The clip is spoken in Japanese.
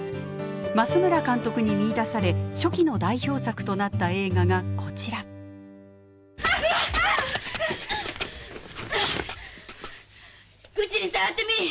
増村監督に見いだされ初期の代表作となった映画がこちらうちに触ってみぃ。